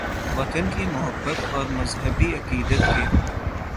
، وطن کی محبت اور مذہبی عقیدت کے